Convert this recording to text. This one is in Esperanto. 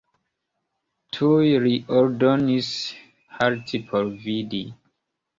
Tuj li ordonis halti por vidi.